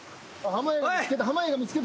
濱家